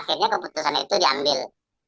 akhirnya keputusan itu diambil